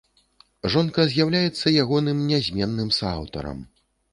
Жонка з'яўляецца ягоным нязменным сааўтарам.